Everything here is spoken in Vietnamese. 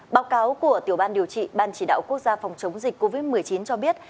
báo cáo của tiểu ban điều trị ban chỉ đạo quốc gia phòng chống dịch covid một mươi chín cho biết